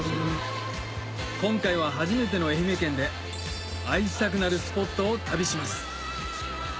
今回は初めての愛媛県で愛したくなるスポットを旅します